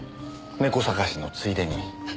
猫探しのついでに。